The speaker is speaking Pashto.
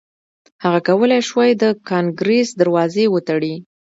هغه کولای شوای د کانګریس دروازې وتړي.